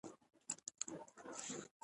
بزګان د افغانستان د اقتصاد برخه ده.